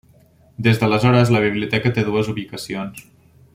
Des d'aleshores, la biblioteca té dues ubicacions: